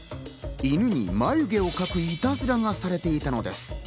犬に眉毛を描くいたずらがされていたのです。